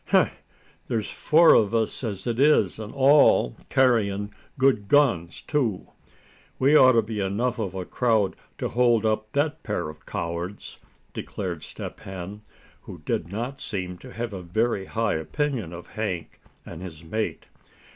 "Huh! there's four of us as it is, and all carryin' good guns too. We ought to be enough of a crowd to hold up that pair of cowards," declared Step Hen, who did not seem to have a very high opinion of Hank and his mate.